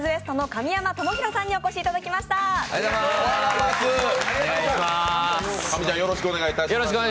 神ちゃんよろしくお願いします。